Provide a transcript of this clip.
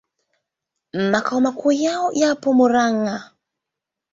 Makao makuu yako Murang'a.